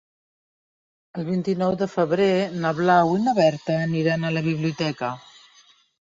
El vint-i-nou de febrer na Blau i na Berta aniran a la biblioteca.